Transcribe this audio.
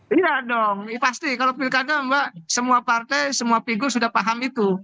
iya dong pasti kalau pilkada mbak semua partai semua figur sudah paham itu